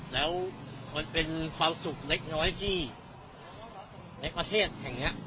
แล้วมันเป็นความสุขเล็กน้อยที่ในประเทศแห่งนี้